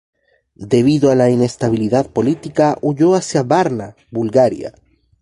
Debido a la inestabilidad política, huyó hacia Varna, Bulgaria.